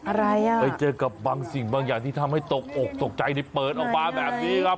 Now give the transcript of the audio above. อะไรอ่ะไปเจอกับบางสิ่งบางอย่างที่ทำให้ตกอกตกใจในเปิดออกมาแบบนี้ครับ